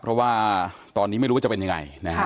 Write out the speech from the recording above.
เพราะว่าตอนนี้ไม่รู้ว่าจะเป็นยังไงนะฮะ